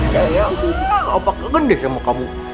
sayang opa kaget deh sama kamu